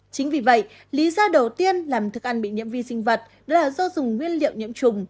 chính vì vậy lý do đầu tiên làm thức ăn bị nhiễm vi sinh vật là do dùng nguyên liệu nhiễm trùng